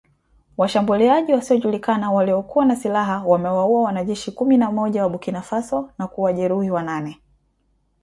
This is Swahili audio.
Washambuliaji wasiojulikana waliokuwa na silaha wamewaua wanajeshi kumi na moja wa Burkina Faso na kuwajeruhi wanane